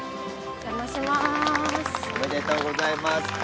おめでとうございます。